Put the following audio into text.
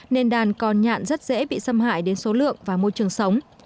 nên đàn cò nhạn rất dễ bị xâm hại đến số lượng và môi trường sống